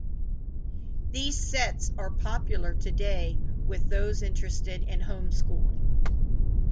These sets are popular today with those interested in homeschooling.